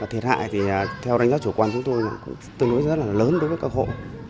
thiệt hại thì theo đánh giá chủ quan chúng tôi tương đối rất là lớn đối với các hộ